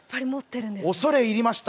恐れ入りました。